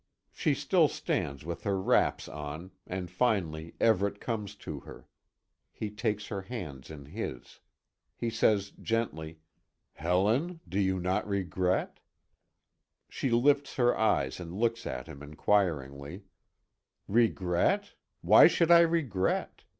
She still stands with her wraps on, and finally Everet comes to her. He takes her hands in his. He says gently: "Helen, you do not regret?" She lifts her eyes and looks at him inquiringly: "Regret? Why should I regret?